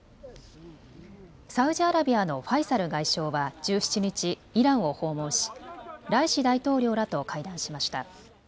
サウジアラビアのファイサル外相は１７日、イランを訪問しライシ大統領らと会談しました。